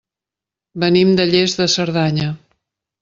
Venim de Lles de Cerdanya.